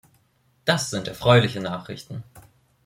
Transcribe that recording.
Das sind erfreuliche Nachrichten.